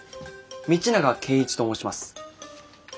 道永圭一と申します。